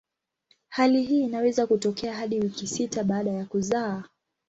Hali hii inaweza kutokea hadi wiki sita baada ya kuzaa.